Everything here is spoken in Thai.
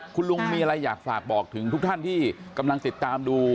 คุณลุงมีอะไรอยากฝากบอกถึงทุกท่านที่กำลังติดตามดู